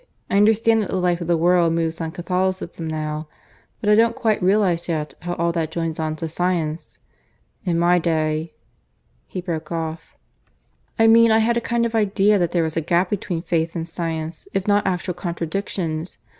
I understand that the life of the world moves on Catholicism now; but I don't quite realize yet how all that joins on to Science. In my day " (he broke off) "I mean I had a kind of idea that there was a gap between Faith and Science if not actual contradictions.